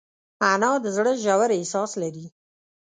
انا د زړه ژور احساس لري